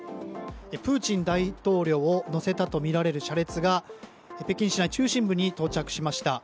プーチン大統領を乗せたとみられる車列が北京市内中心部に到着しました。